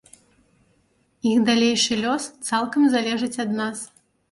Іх далейшы лёс цалкам залежыць ад нас.